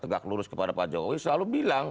tegak lurus kepada pak jokowi selalu bilang